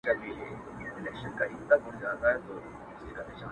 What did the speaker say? د هسکو غرونو درې ډکي کړلې؛